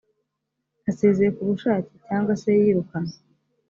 asezeye kubushake cyangwa se yirukanwe‽